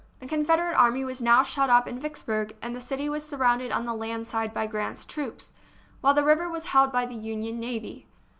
The Confederate army was now shut up in Vicksburg, and the city was surrounded on the land side by Grant's troops, while the river was held by the Union navy.